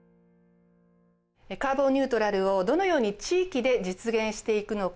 カーボンニュートラルをどのように地域で実現していくのか。